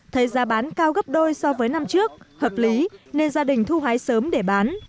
thấy giá bán cao gấp đôi so với năm trước hợp lý nên gia đình thu hái sớm để bán